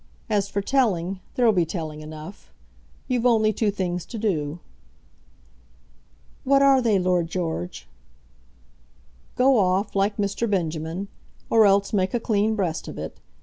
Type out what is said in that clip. As for telling, there'll be telling enough. You've only two things to do." "What are they, Lord George?" "Go off, like Mr. Benjamin; or else make a clean breast of it.